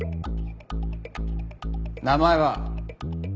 名前は？